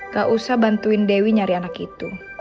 gak usah bantuin dewi nyari anak itu